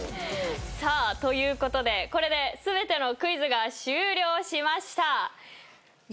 さあということでこれで全てのクイズが終了しました。